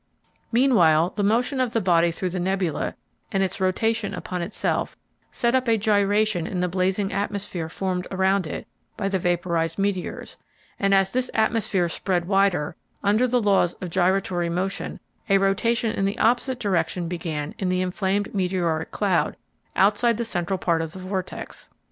Meanwhile the motion of the body through the nebula, and its rotation upon itself, set up a gyration in the blazing atmosphere formed around it by the vaporized meteors; and as this atmosphere spread wider, under the laws of gyratory motion a rotation in the opposite direction began in the inflamed meteoric cloud outside the central part of the vortex.